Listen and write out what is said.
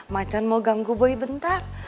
macan mau ganggu boy bentar